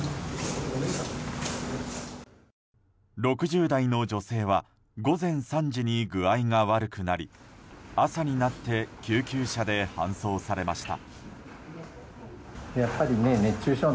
６０代の女性は午前３時に具合が悪くなり朝になって救急車で搬送されました。